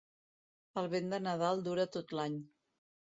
El vent de Nadal dura tot l'any.